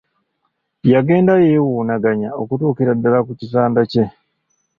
Yagenda yewuunaganaya okutuukira ddala ku kitanda kye.